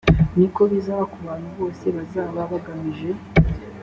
ni ko bizaba ku bantu bose bazaba bagamije